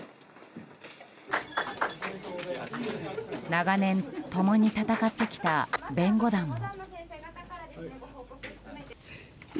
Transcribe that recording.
長年、共に戦ってきた弁護団も。